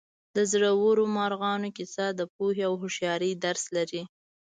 د زړورو مارغانو کیسه د پوهې او هوښیارۍ درس لري.